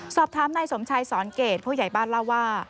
สอบถามนายสมชัยสอนเกรดผู้ใหญ่บ้านเล่าว่า